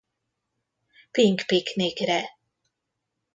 Pink Piknikre.